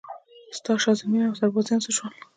ستا شازلمیان اوسربازان څه شول؟